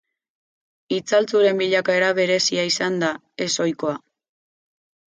Itzaltzuren bilakaera berezia izan da, ez ohikoa.